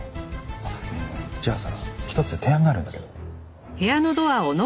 あっじゃあさ一つ提案があるんだけど。